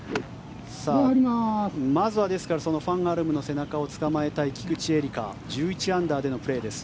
まずは、ですからそのファン・アルムの背中をつかまえたい菊地絵理香１１アンダーでのプレーです。